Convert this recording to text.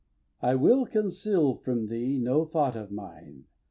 xix. I will conceal from thee no thought of mine.